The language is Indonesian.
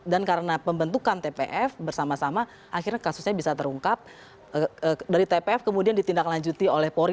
dan karena pembentukan tpf bersama sama akhirnya kasusnya bisa terungkap dari tpf kemudian ditindaklanjuti oleh polri